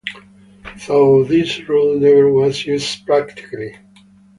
Though, this rule never was used practically.